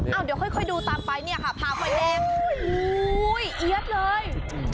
เดี๋ยวค่อยดูตามไปพาไฟแดงเอี๊ยดเลย